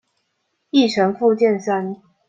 議程附件三